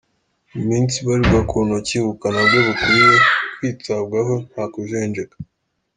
Mu minsi ibarirwa ku ntoki ubukana bwe bukwiye kwitabwaho nta kujenjeka.